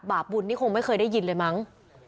บาปบุญนี่คงไม่เคยได้ยินเลยมั้ง